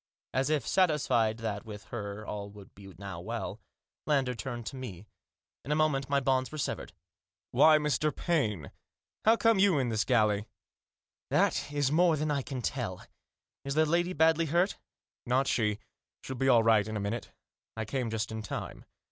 As if satisfied that with her all would now be well, Lander turned to me. In a moment my bonds were severed. " Why, Mr. Paine, how come you in this galley ?"" That is more than I can tell. Is the lady badly hurt?" " Not she. She'll be all right in a minute. I came just in time."